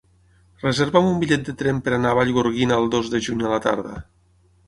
Reserva'm un bitllet de tren per anar a Vallgorguina el dos de juny a la tarda.